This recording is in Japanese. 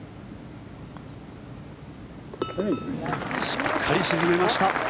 しっかり沈めました。